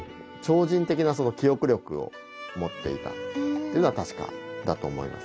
っていうのは確かだと思います。